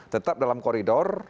tetap dalam koridor